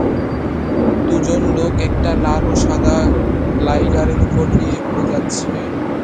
দুজন লোক একটা লাল ও সাদা গ্লাইডারের ওপর দিয়ে উড়ে যাচ্ছে।